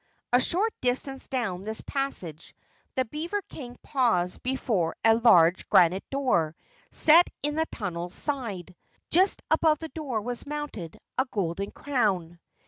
A short distance down this passage the beaver King paused before a large, granite door set in the tunnel's side. Just above the door was mounted a golden crown.